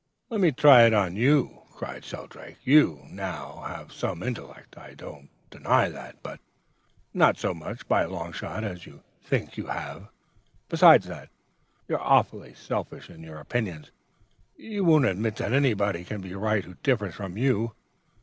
"'Let me try it on you!' cried Shelldrake. 'You, now, have some intellect, I don't deny that, but not so much, by a long shot, as you think you have. Besides that, you're awfully selfish in your opinions. You won't admit that anybody can be right who differs from you.